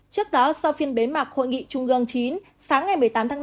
trước đó sau phiên bế mạc hội nghị trung gương chín sáng ngày một mươi tám tháng năm